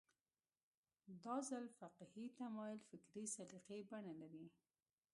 دا ځل فقهي تمایل فکري سلیقې بڼه لري